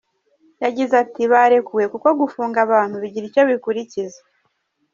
Yagize ati “Barekuwe kuko gufunga abantu bigira icyo bikurikiza.